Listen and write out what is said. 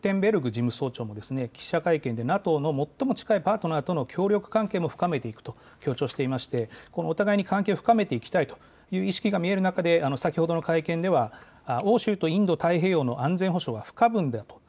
事務総長も記者会見でＮＡＴＯの最も近いパートナーとの協力関係も深めていくと強調していまして、お互いに関係を深めていきたいという意識が見える中、先ほどの会見では欧州とインド太平洋の安全保障は不可分だと。